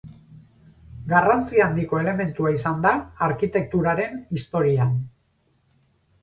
Garrantzi handiko elementua izan da arkitekturaren historian.